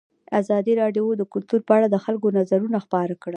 ازادي راډیو د کلتور په اړه د خلکو نظرونه خپاره کړي.